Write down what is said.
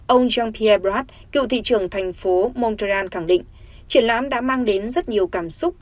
ông jean pierbrad cựu thị trưởng thành phố montreal khẳng định triển lãm đã mang đến rất nhiều cảm xúc